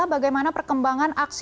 bagaimana perkembangan aksi